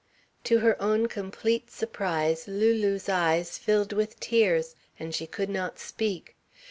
To her own complete surprise Lulu's eyes filled with tears, and she could not speak.